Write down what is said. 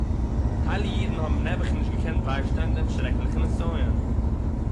טייל אידן האָבן נעבעך נישט געקענט ביישטיין דעם שרעקליכן נסיון